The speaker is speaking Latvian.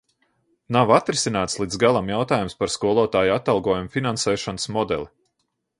Nav atrisināts līdz galam jautājums par skolotāju atalgojuma finansēšanas modeli.